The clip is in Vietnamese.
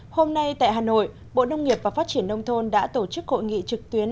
hôm nay tại hà nội bộ nông nghiệp và phát triển nông thôn đã tổ chức hội nghị trực tuyến